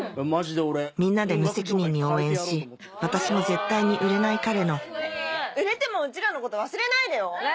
みんなで無責任に応援し私も絶対に売れない彼の売れてもうちらのこと忘れないでよ！